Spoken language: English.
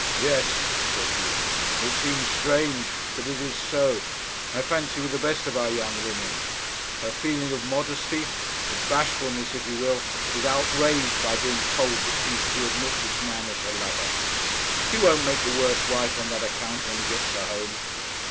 'Yes,' said he. 'It seems strange, but it is so, I fancy, with the best of our young women. Her feeling of modesty of bashfulness if you will is outraged by being told that she is to admit this man as her lover. She won't make the worse wife on that account, when he gets her home.'